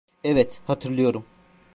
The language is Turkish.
Evet, hatırlıyorum.